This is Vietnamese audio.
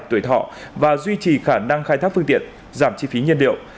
tuổi thọ và duy trì khả năng khai thác phương tiện giảm chi phí nhiên liệu